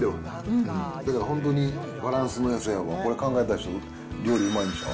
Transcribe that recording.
だから本当にバランスのよさやわ、これ考えた人、料理うまいんちゃう？